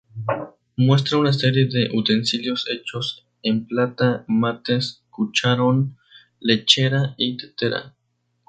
Muestra una serie de utensilios hechos en plata: mates, cucharón, lechera y tetera.